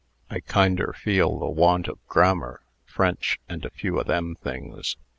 I kinder feel the want of grammar, French, and a few o' them things.